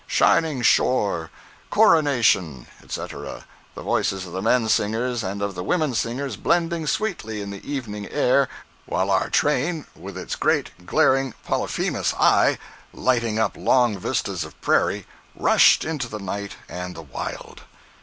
"Shining Shore," "Coronation," etc.—the voices of the men singers and of the women singers blending sweetly in the evening air, while our train, with its great, glaring Polyphemus eye, lighting up long vistas of prairie, rushed into the night and the Wild.